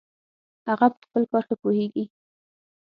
هغه په خپل کار ښه پوهیږي